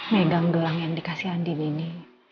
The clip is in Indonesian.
megang doang yang dikasih andi beni